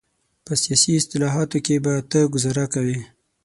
په سیاسي اصطلاحاتو کې به ته ګوزاره کوې.